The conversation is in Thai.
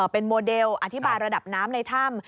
เป็นโมเดลอธิบายระดับน้ำในถ้ำ